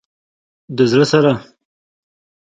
د زړه سره